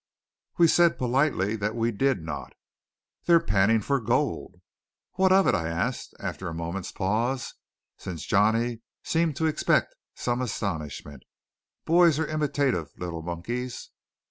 We said politely that we did not. "They are panning for gold." "Well, what of it?" I asked, after a moment's pause; since Johnny seemed to expect some astonishment. "Boys are imitative little monkeys."